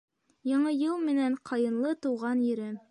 Яңы йыл менән, Ҡайынлы тыуған Ерем!